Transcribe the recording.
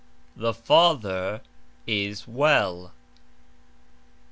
The father is well.